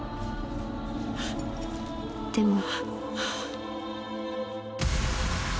「でも」。